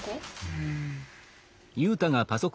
うん。